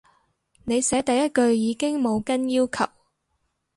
你寫第一句已經冇跟要求